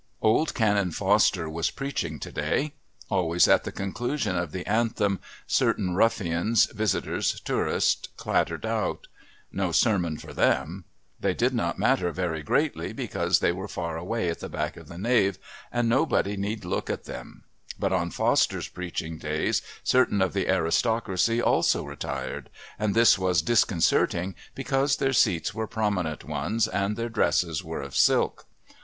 Old Canon Foster was preaching to day. Always at the conclusion of the Anthem certain ruffians, visitors, tourists, clattered out. No sermon for them. They did not matter very greatly because they were far away at the back of the nave, and nobody need look at them; but on Foster's preaching days certain of the aristocracy also retired, and this was disconcerting because their seats were prominent ones and their dresses were of silk.